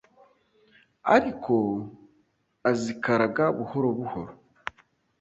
ariko azikaraga buhoro buhoro